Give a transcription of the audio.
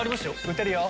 打てるよ！